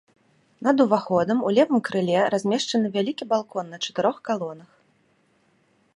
Над уваходам у левым крыле размешчаны вялікі балкон на чатырох калонах.